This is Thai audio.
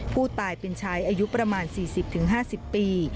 ผู้ตายเป็นชายอายุประมาณ๔๐๕๐ปี